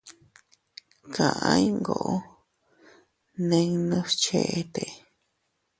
Kaʼa iyngoo ninnus cheʼete.